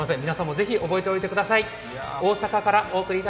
皆さんも、ぜひ覚えておいてください。